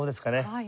はい。